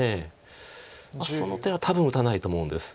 その手は多分打たないと思うんです。